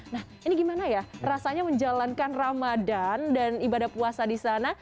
nah ini gimana ya rasanya menjalankan ramadan dan ibadah puasa di sana